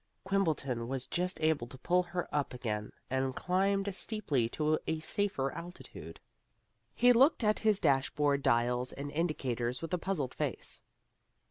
Quimbleton was just able to pull her up again and climbed steeply to a safer altitude. He looked at his dashboard dials and indicators with a puzzled face.